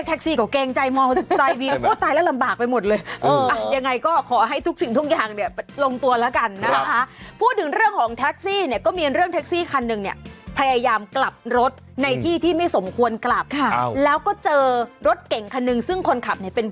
ยังไงก็ขอให้ทุกสิ่งทุกอย่างลงตัวละกัน